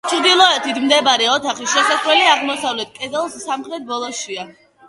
ჩრდილოეთით მდებარე ოთახის შესასვლელი აღმოსავლეთ კედლის სამხრეთ ბოლოშია.